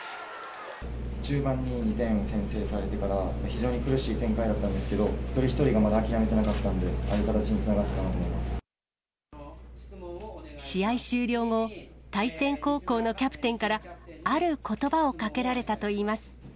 中盤に２点を先制されてから、非常に苦しい展開だったんですけど、一人一人がまだ諦めていなかったので、ああいう形につながったの試合終了後、対戦高校のキャプテンから、あることばをかけられたといいます。